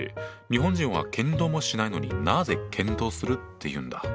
日本人は検討もしないのになぜ「検討する」って言うんだ？